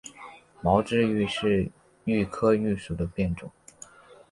毛枝榆是榆科榆属的变种。